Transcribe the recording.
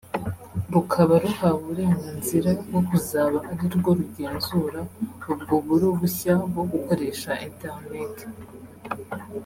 rukaba ruhawe uburenganzira bwo kuzaba ari rwo rugenzura ubwo buro bushya bwo gukoresha Internet